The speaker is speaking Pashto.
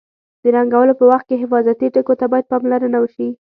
د رنګولو په وخت کې حفاظتي ټکو ته باید پاملرنه وشي.